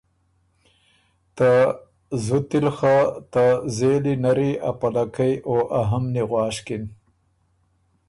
ته زُتی ل خه ته زېلی نری ا پَلَکئ او ا همني غواشکِن۔